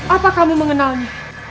apa kamu mengenalnya